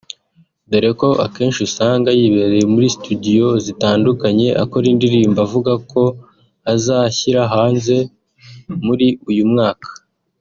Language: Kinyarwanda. doreko akenshi usanga yibereye muri studio zitandukanye akora indirimbo avuga ko azashyira hanze muri uyu mwaka